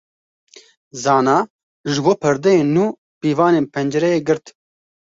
Zana ji bo perdeyên nû pîvanên pencereyê girt.